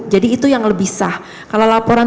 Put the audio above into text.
jadi itu yang lebih sah kalau laporan